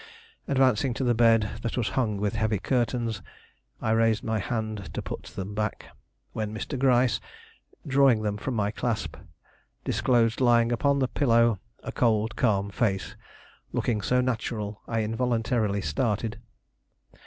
Advancing to the bed that was hung with heavy curtains, I raised my hand to put them back, when Mr. Gryce, drawing them from my clasp, disclosed lying upon the pillow a cold, calm face looking so natural I involuntarily started.